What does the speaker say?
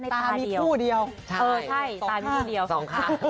ตามีคู่เดียวใช่สองค่ะ